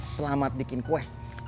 selamat bikin kue